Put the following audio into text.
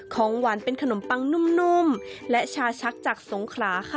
ของหวานเป็นขนมปังนุ่มและชาชักจากสงขลาค่ะ